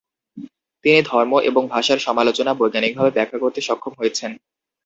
তিনি ধর্ম এবং ভাষার সমালোচনা বৈজ্ঞানিকভাবে ব্যাখ্যা করতে সক্ষম হয়েছেন।